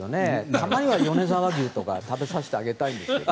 たまには米沢牛とか食べさせてあげたいんですけど。